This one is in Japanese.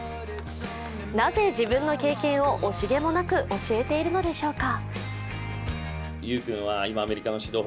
なぜ自分の経験を惜しげもなく教えているのでしょうか？